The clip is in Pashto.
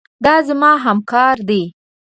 دا زما همکار دی.